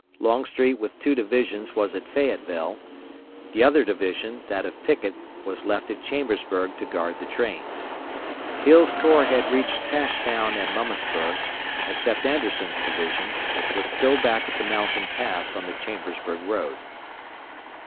Longstreet with two divisions was at Fayetteville; the other division, that of Pickett, was left at Chambersburg to guard the trains. Hill's corps had reached Cashtown and Mummasburg, except Anderson's division, which was still back at the mountain pass on the Chambersburg road.